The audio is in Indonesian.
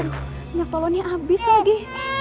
aduh minyak tolonnya abis lagi